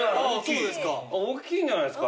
大きいんじゃないですか？